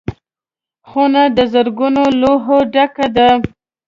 خونه د زرګونو لوحو ډکه ده.